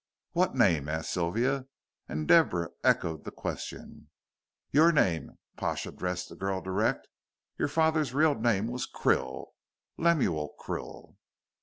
"What name?" asked Sylvia, and Deborah echoed the question. "Your name." Pash addressed the girl direct. "Your father's real name was Krill Lemuel Krill."